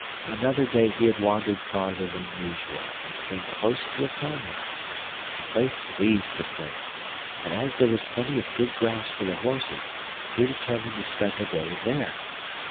Another day he had wandered farther than usual, and came close to a farmyard; the place pleased the Prince, and as there was plenty of good grass for the horses he determined to spend the day there.